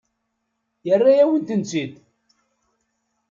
Yerra-yawen-tent-id.